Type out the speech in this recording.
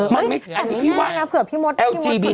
พี่ให้หวังนะพี่หมดหมดใส่ไหน